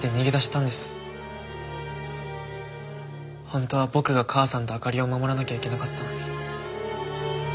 本当は僕が母さんと明里を守らなきゃいけなかったのに。